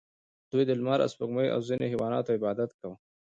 دوی د لمر او سپوږمۍ او ځینو حیواناتو عبادت کاوه